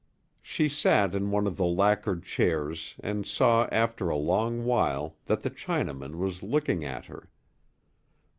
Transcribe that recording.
She sat in one of the lacquered chairs and saw after a long while that the Chinaman was looking at her.